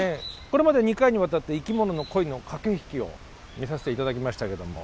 これまで２回にわたって生きものの恋の駆け引きを見さしていただきましたけども。